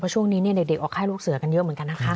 ช่วงนี้เด็กออกค่ายลูกเสือกันเยอะเหมือนกันนะคะ